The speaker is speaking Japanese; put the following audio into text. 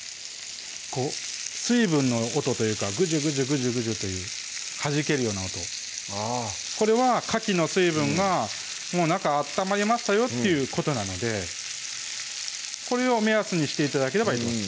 こう水分の音というかグジュグジュグジュグジュというはじけるような音あぁこれはかきの水分がもう中温まりましたよっていうことなのでこれを目安にして頂ければいいと思います